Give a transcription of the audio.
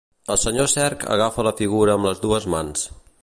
El senyor Cerc agafa la figura amb les dues mans.